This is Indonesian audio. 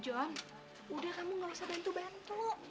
johan udah kamu gak usah bantu bantu